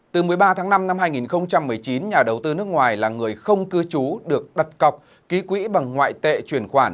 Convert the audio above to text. từ một mươi ba tháng năm năm hai nghìn một mươi chín nhà đầu tư nước ngoài là người không cư trú được đặt cọc ký quỹ bằng ngoại tệ chuyển khoản